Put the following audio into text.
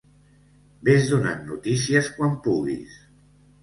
Vés donant notícies quan puguis.